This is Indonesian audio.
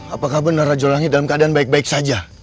apakah benar rajo langit dalam keadaan baik baik saja